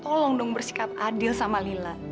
tolong dong bersikap adil sama lila